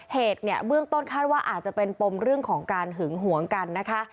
เหตุเนี่ยเบื้องต้นคาดว่าอาจจะเป็นปมเรื่องของการหึงหวงกันนะคะ